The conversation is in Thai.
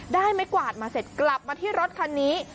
ไม้กวาดมาเสร็จกลับมาที่รถคันนี้